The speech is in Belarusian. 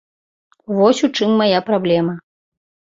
Вось у чым мая праблема.